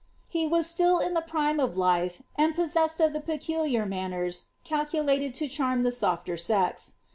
^' was still in the prime of life, and possessed of the peculiar manners ulated to charm the sof^r sex.